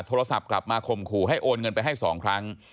โทรศัพท์กลับมาข่มขู่ให้โอนเงินไปให้๒ครั้ง